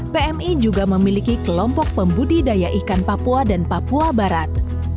pmi juga memiliki kelompok pembudidaya ikan papua dan papua barat